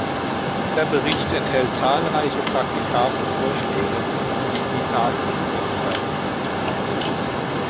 Der Bericht enthält zahlreiche praktikable Vorschläge, die in die Tat umgesetzt werden könnten.